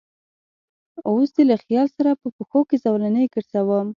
اوس دې له خیال سره په پښو کې زولنې ګرځوم